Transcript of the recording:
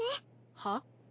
はっ？